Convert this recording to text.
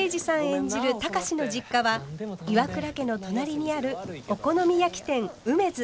演じる貴司の実家は岩倉家の隣にあるお好み焼き店うめづ。